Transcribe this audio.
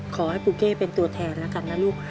ขอให้ปูเก้เป็นตัวแทนแล้วกันนะลูก